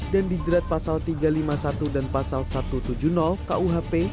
dan di jerat pasal tiga ratus lima puluh satu dan pasal satu ratus tujuh puluh khp